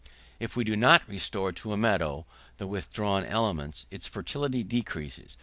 If we do not restore to a meadow the withdrawn elements, its fertility decreases.